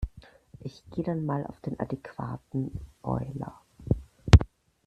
Ich geh' dann mal auf den adequaten Boiler.